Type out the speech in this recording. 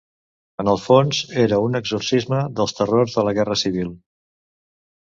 En el fons, era un exorcisme dels terrors de la Guerra Civil.